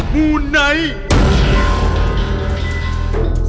มูไนท์